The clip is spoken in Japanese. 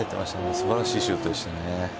素晴らしいシュートでした。